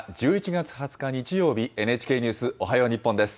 １１月２０日日曜日、ＮＨＫニュースおはよう日本です。